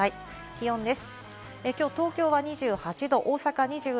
気温です。